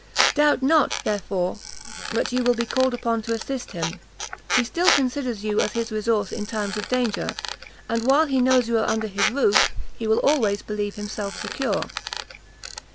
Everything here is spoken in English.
Doubt not, therefore, but you will be called upon to assist him; he still considers you as his resource in times of danger, and while he knows you are under his roof, he will always believe himself secure."